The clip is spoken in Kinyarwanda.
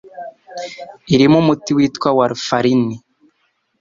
irimo umuti witwa warfarin